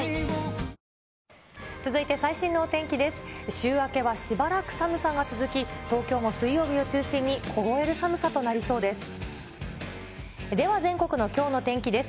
週明けはしばらく寒さが続き、東京も水曜日を中心に凍える寒さとなりそうです。